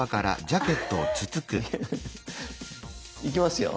いきますよ！